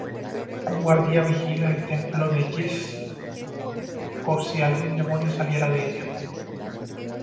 Un guardia vigila el templo de Ys por si algún demonio saliera de ella.